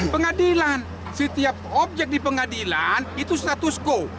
pengadilan setiap objek di pengadilan itu status quo